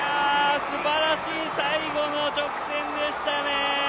すばらしい最後の直線でしたね。